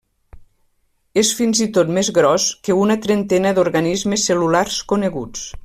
És fins i tot més gros que una trentena d'organismes cel·lulars coneguts.